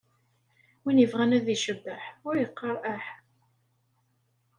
Win ibɣan ad icbeḥ, ur iqqaṛ eḥ!